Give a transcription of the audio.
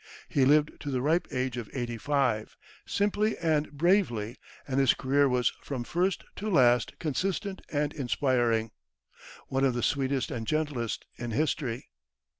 He lived to the ripe age of eighty five, simply and bravely, and his career was from first to last consistent and inspiring, one of the sweetest and gentlest in history.